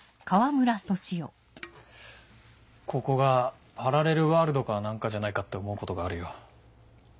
ここがパラレルワールドか何かじゃないかって思うことがあるよ。